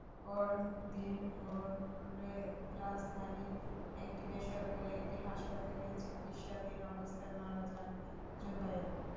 পরদিন ভোরে রাজধানীর একটি বেসরকারি একটি হাসপাতালে চিকিত্সাধীন অবস্থায় মারা যান জুবায়ের।